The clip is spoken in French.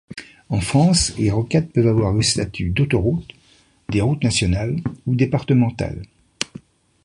En France, les rocades peuvent avoir le statut d'autoroute, des routes nationales ou départementales.